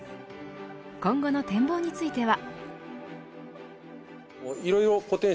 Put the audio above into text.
今後の展望については。